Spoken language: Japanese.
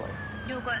了解。